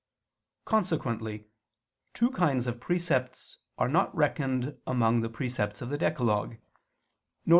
Consequently two kinds of precepts are not reckoned among the precepts of the decalogue: viz.